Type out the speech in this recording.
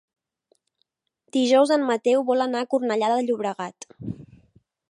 Dijous en Mateu vol anar a Cornellà de Llobregat.